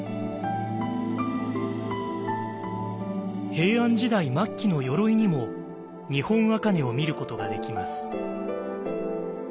平安時代末期の鎧にも日本茜を見ることができます。